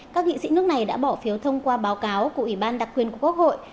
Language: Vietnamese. các nghị sĩ nước này đã bỏ phiếu thông qua báo cáo của ủy ban đặc quyền của quốc hội